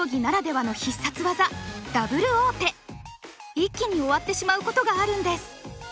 一気に終わってしまうことがあるんです。